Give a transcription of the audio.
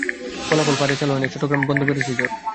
ফলাফল, পায়রা চালু হয়নি, চট্টগ্রাম বন্দরে বেড়েছে জট।